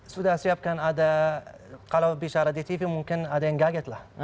sudah siapkan ada kalau bicara di tv mungkin ada yang gaget lah